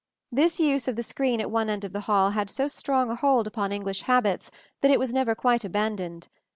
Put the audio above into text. This use of the screen at one end of the hall had so strong a hold upon English habits that it was never quite abandoned.